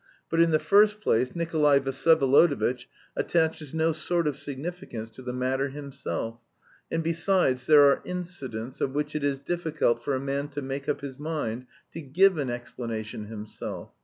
But in the first place, Nikolay Vsyevolodovitch attaches no sort of significance to the matter himself, and, besides, there are incidents of which it is difficult for a man to make up his mind to give an explanation himself.